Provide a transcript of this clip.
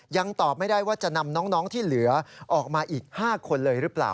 ยังตอบไม่ได้ว่าจะนำน้องที่เหลือออกมาอีก๕คนเลยหรือเปล่า